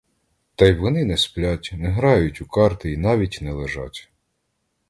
Та й вони не сплять, не грають у карти й навіть не лежать.